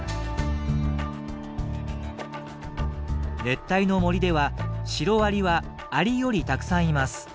熱帯の森ではシロアリはアリよりたくさんいます。